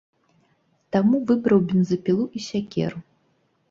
Таму выбраў бензапілу і сякеру.